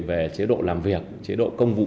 về chế độ làm việc chế độ công vụ